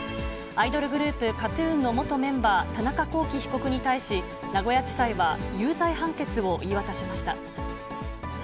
アイドルグループ、ＫＡＴーＴＵＮの元メンバー、田中聖被告に対し、名古屋地裁は有罪判決を言い渡しました。